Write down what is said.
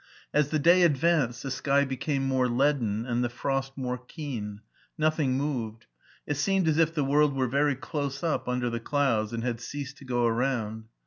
As the day advanced the sky became more leaden and the frost more keen. Nothing moved. It seemed as if the world were very close up under the clouds, and had ceased to go around.